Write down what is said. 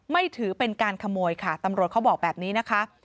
ถือเป็นการขโมยค่ะตำรวจเขาบอกแบบนี้นะคะ